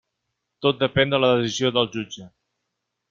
Tot depèn de la decisió del jutge.